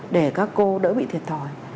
để các cô đỡ bị thiệt thòi